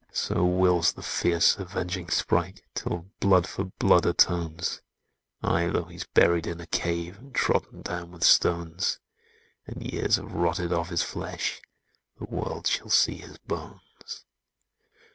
"So wills the fierce avenging Sprite, Till blood for blood atones! Ay, though he's buried in a cave, And trodden down with stones, And years have rotted off his flesh,— The world shall see his bones!